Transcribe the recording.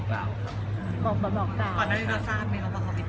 ฝาก